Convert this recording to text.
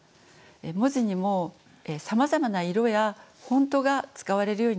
文字にもさまざまな色やフォントが使われるようになりました。